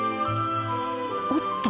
おっと！